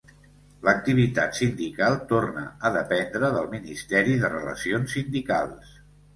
L'activitat sindical torna a dependre del Ministeri de Relacions Sindicals.